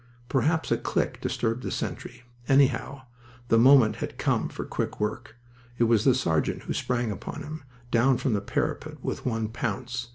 Perhaps a click disturbed the sentry. Anyhow, the moment had come for quick work. It was the sergeant who sprang upon him, down from the parapet with one pounce.